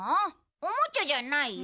おもちゃじゃないよ。